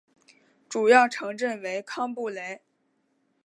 主要城镇为康布雷。